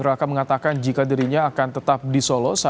rencana mau ke jakarta apa